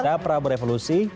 dapur rabu revolusi